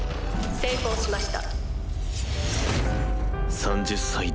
成功しました」。